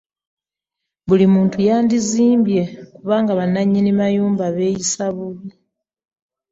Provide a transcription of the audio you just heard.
Buli muntu yandizimbye kubanga ba nannyini mayumba beeyisa bubi.